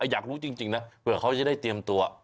อยากรู้จริงนะเผื่อเขาจะได้เตรียมตัว